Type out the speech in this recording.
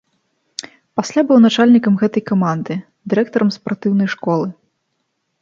Пасля быў начальнікам гэтай каманды, дырэктарам спартыўнай школы.